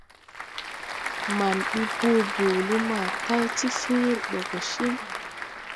Maŋ ɓi boo boole ma tay ti fẽẽre ɓe go ciŋ.